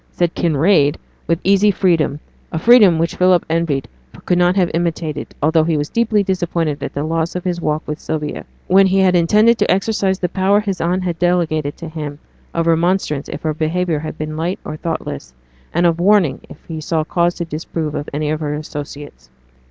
said Kinraid, with easy freedom a freedom which Philip envied, but could not have imitated, although he was deeply disappointed at the loss of his walk with Sylvia, when he had intended to exercise the power his aunt had delegated to him of remonstrance if her behaviour had been light or thoughtless, and of warning if he saw cause to disapprove of any of her associates.